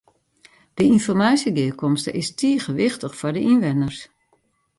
De ynformaasjegearkomste is tige wichtich foar de ynwenners.